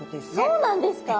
そうなんですか？